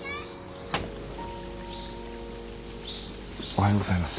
おはようございます。